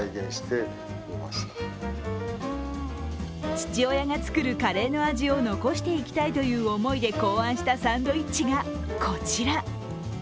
父親が作るカレーの味を残していきたいという思いで考案したサンドイッチがこちら。